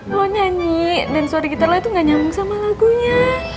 lo nyanyi dan suara gitar lo itu gak nyambung sama lagunya